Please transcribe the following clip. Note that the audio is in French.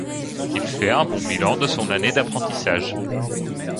Il fait un bon bilan de son année d'apprentissage.